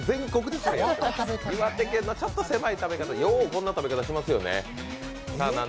岩手県のちょっと狭い食べ方、ようこんな食べ方しますよね。